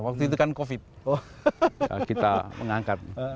waktu itu kan covid kita mengangkat